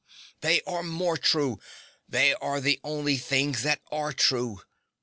They are more true: they are the only things that are true.